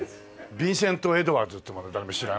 ヴィンセント・エドワーズっつうのも誰も知らないよね。